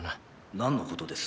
何のことです？